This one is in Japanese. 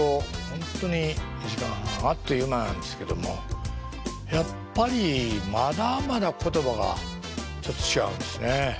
本当に２時間半あっという間なんですけどもやっぱりまだまだ言葉がちょっと違うんですね。